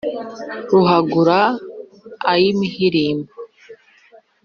ruhangura ay' imihirimbo